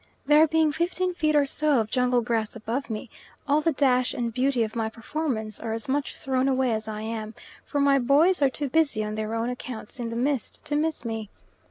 There being fifteen feet or so of jungle grass above me, all the dash and beauty of my performance are as much thrown away as I am, for my boys are too busy on their own accounts in the mist to miss me.